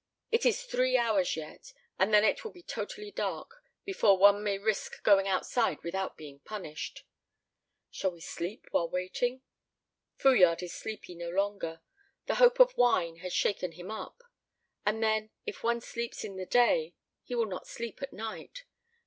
It is three hours yet, and then it will be totally dark, before one may risk going outside without being punished. Shall we sleep while waiting? Fouillade is sleepy no longer; the hope of wine has shaken him up. And then, if one sleeps in the day, he will not sleep at night.